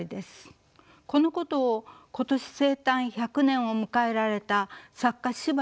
このことを今年生誕１００年を迎えられた作家司馬